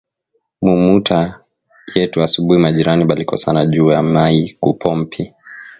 Mu muta yetu asubui majirani balikosana juya mayi ku pompi